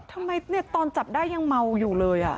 ทำไมตอนจับได้ยังเมาอยู่เลย